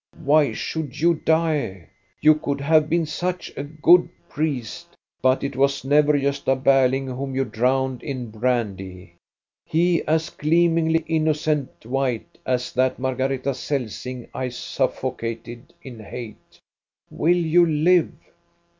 " Why should you die? You could have been such a good priest, but it was never Gosta Berling whom you drowned in brandy, he as gleamingly innocent white as that Mar gareta Celsing I suffocated in hate. Will you live?"